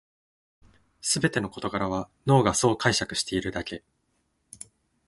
すべての事柄は脳がそう解釈しているだけ